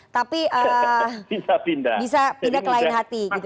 tapi bisa pindah ke lain hati gitu